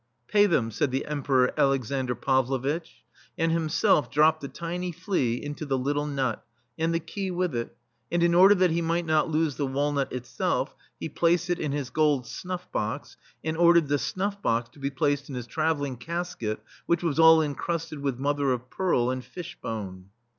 "Pay them," said the Emperor Alex ander Pavlovitch ; and himself dropped the tiny flea into the little nut, and the key with it ; and in order that he might not lose the walnut itself, he placed it in his gold snuflF box, and ordered the snuflF box to be placed in his travelling casket, which was all encrusted with mother of pearl and fish bone.